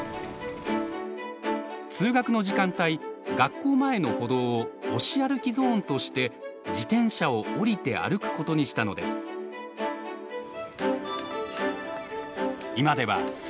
通学の時間帯学校前の歩道を押し歩きゾーンとして自転車を降りて歩くことにしたのです。